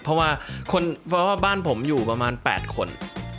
เพราะว่าบ้านผมอยู่ประมาณ๘คน